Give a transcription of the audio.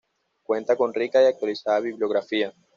Cuenta con rica y actualizada bibliografía.